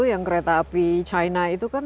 yang kereta api china itu kan